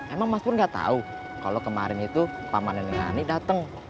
emang mas pur gak tahu kalau kemarin itu pamannya nenek ani datang